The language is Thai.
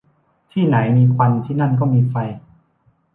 ที่ไหนมีควันที่นั่นก็มีไฟ